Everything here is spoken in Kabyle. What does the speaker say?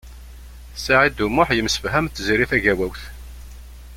Saɛid U Muḥ yemsefham d Tiziri Tagawawt.